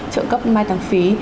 trợ cấp mai táng phí